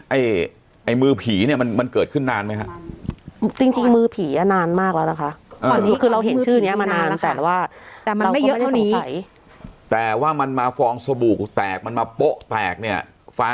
ไอ้ไอ้มือผีเนี้ยมันมันเกิดขึ้นนานไหมฮะจริงจริงมือผีอ่ะนานมากแล้วนะคะ